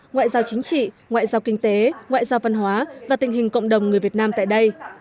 ngoại giao chính trị ngoại giao kinh tế ngoại giao văn hóa và tình hình cộng đồng người việt nam tại đây